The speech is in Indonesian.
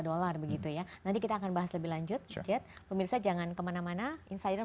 dollar begitu ya nanti kita akan bahas lebih lanjut pemirsa jangan kemana mana insider